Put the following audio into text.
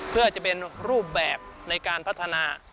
เพื่อจะเป็นรูปแบบในการพัฒนา